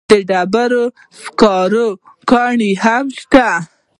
د ډبرو سکرو کانونه هم شته.